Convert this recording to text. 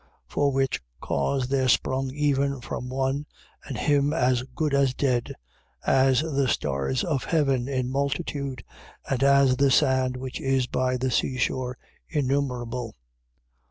For which cause there sprung even from one (and him as good as dead) as the stars of heaven in multitude and as the sand which is by the sea shore innumerable.